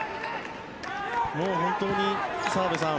本当に澤部さん